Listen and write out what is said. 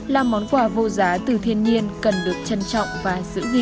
là món quà vô giá từ thiên nhiên cần được trân trọng và giữ gìn